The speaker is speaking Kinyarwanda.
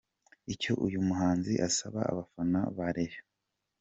Icyo uyu muhanzi asaba abafana ba Rayon ni.